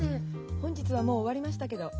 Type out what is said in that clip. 本日はもう終わりましたけど。